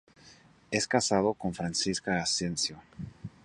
Es casado con Francisca Asencio.